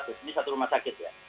ini satu rumah sakit ya